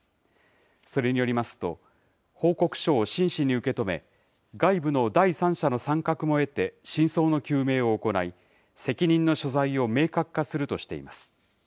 それによりますと、報告書を真摯に受け止め、外部の第三者の参画も得て、真相の究明を行い、責任の所在を明確化するとしています。